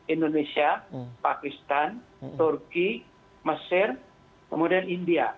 indonesia pakistan turki mesir kemudian india